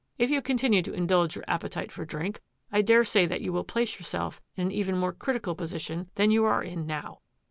If you continue to in dulge your appetite for drink, I daresay that you will place yourself in an even more critical position than you are in now."